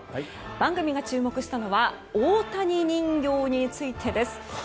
番組が注目したのは大谷人形についてです。